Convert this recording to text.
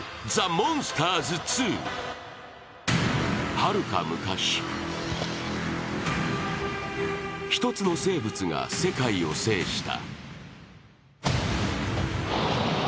はるか昔、一つの生物が世界を制した。